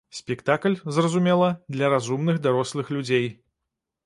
Спектакль, зразумела, для разумных дарослых людзей.